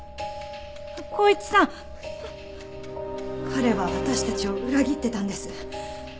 彼は私たちを裏切ってたんです。